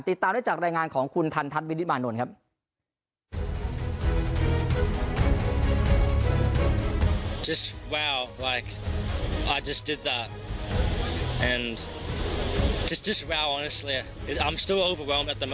ติดตามได้จากรายงานของคุณทันทัศนบินิมานนท์ครับ